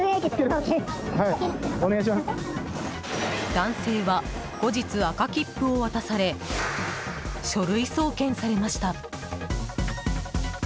男性は後日、赤切符を渡され書類送検されました。